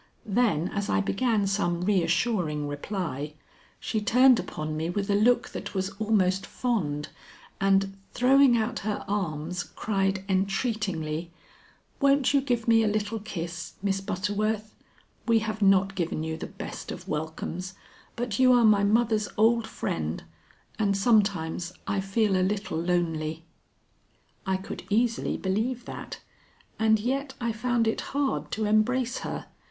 Then as I began some reassuring reply, she turned upon me with a look that was almost fond, and, throwing out her arms, cried entreatingly: "Won't you give me a little kiss, Miss Butterworth? We have not given you the best of welcomes, but you are my mother's old friend, and sometimes I feel a little lonely." I could easily believe that, and yet I found it hard to embrace her.